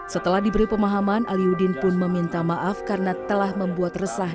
setelah diberi pemahaman aliudin pun meminta maaf karena telah membuat resah